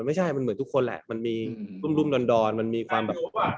ไม่ใช่มันเหมือนทุกคนแหละมันมีรุ่มดอนมันมีความแบบ